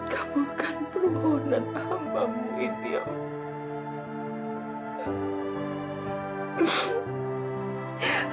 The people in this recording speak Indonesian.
kamu akan berohonan hambamu ini ya allah